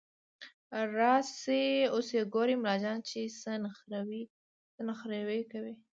راشئ اوس يې ګورئ ملا جان چې څه نخروې کوي